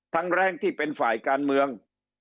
แรงที่เป็นฝ่ายการเมือง